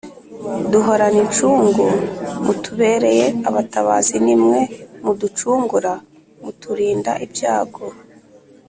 duhorana incungu: mutubereye abatabazi ni mwe muducungura muturinda ibyago